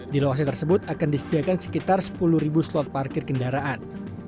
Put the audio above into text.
di lokasi tersebut akan disediakan sekitar sepuluh slot parkir kendaraan